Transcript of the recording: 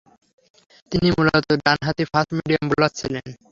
তিনি মূলতঃ ডানহাতি ফাস্ট মিডিয়াম বোলার ছিলেন।